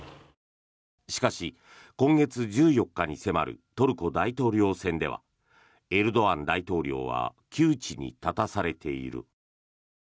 しかし、今月１４日に迫るトルコ大統領選ではエルドアン大統領は窮地に立たされている。